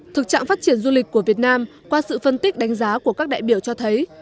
thực trạng phát triển du lịch của việt nam qua sự phân tích đánh giá của các đại biểu cho thấy